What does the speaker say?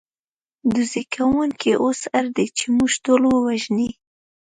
ډزې کوونکي اوس اړ دي، چې موږ ټول ووژني.